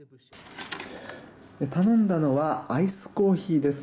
頼んだのはアイスコーヒーです。